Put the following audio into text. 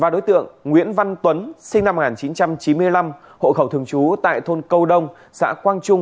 đến đánh bạc